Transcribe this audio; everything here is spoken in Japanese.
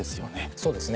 そうですね